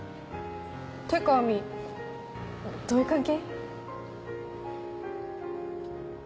ってか亜美どういう関係？